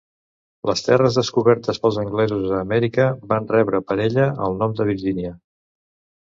Les terres descobertes pels anglesos a Amèrica van rebre per ella el nom de Virgínia.